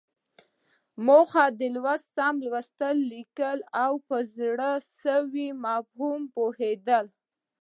موخه: د لوست سم لوستل، ليکل او د زړه سوي په مفهوم پوهېدل.